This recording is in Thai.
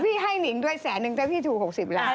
พี่ให้หนิงด้วยแสนหนึ่งแต่พี่ถูก๖๐ล้าน